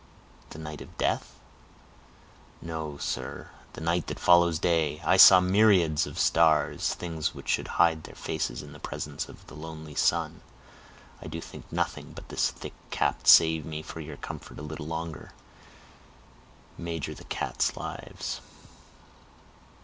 "The night of death?" "No, sir, the night that follows day. I saw myriads of stars, things which should hide their faces in the presence of the lordly sun. I do think nothing but this thick cap saved me for your comfort a little longer, maugre the cat's lives."